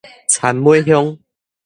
田尾鄉